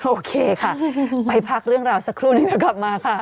โอเคค่ะไปพักเรื่องราวสักครู่นี้เดี๋ยวกลับมาค่ะ